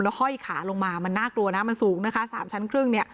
ห้อยขาลงมามันน่ากลัวนะมันสูงนะคะ๓ชั้นครึ่งเนี่ย